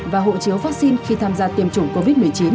và hộ chiếu vaccine khi tham gia tiêm chủng covid một mươi chín